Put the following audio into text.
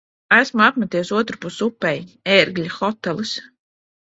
Esmu apmeties otrpus upei. "Ērgļa hotelis".